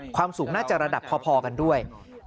ความสูงน่าจะระดับพอกันด้วย